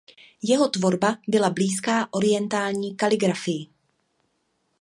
Jeho tvorba byla blízká orientální kaligrafii.